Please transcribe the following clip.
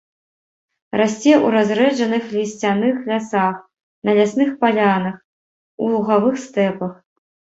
Расце ў разрэджаных лісцяных лясах, на лясных палянах, у лугавых стэпах.